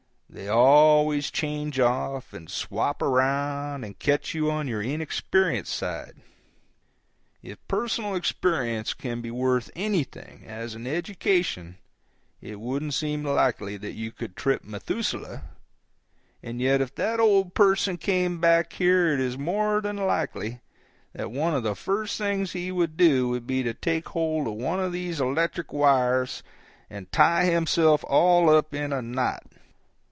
They always change off and swap around and catch you on your inexperienced side. If personal experience can be worth anything as an education, it wouldn't seem likely that you could trip Methuselah; and yet if that old person could come back here it is more than likely that one of the first things he would do would be to take hold of one of these electric wires and tie himself all up in a knot.